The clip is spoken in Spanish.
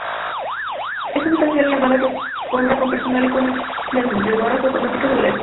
Es una estación elevada que cuenta con personal y con expendedoras automáticas de boletos.